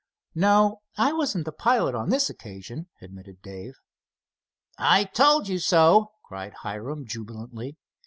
"No, I wasn't the pilot on this occasion," admitted Dave. "I told you so!" cried Hiram, jubilantly.